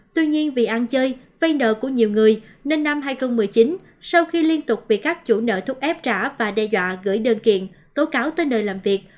tuy nhiên vì ăn chơi vay nợ của nhiều người nên năm hai nghìn một mươi chín sau khi liên tục bị các chủ nợ thúc ép trả và đe dọa gửi đơn kiện tố cáo tới nơi làm việc